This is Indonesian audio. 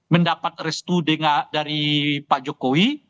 mendapat restu dari pak jokowi